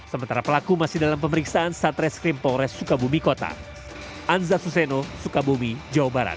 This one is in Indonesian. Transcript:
sementara pelaku masih dalam pemeriksaan satres krim polres sukabumi kota anza suseno sukabumi jawa barat